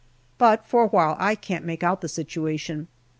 But for a while I can't make out the situation.